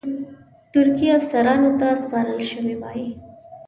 ترکي افسرانو ته سپارل شوی وای.